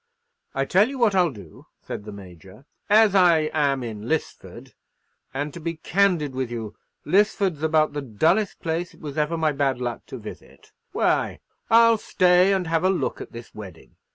"I tell you what I'll do," said the Major; "as I am in Lisford,—and, to be candid with you, Lisford's about the dullest place it was ever my bad luck to visit,—why, I'll stay and have a look at this wedding.